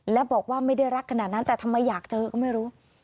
และบอกว่าไม่ได้รักขนาดนั้นแต่ทำไมอยากเจอก็ไม่รู้